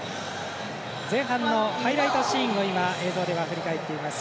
前半のハイライトシーンを映像では振り返っています。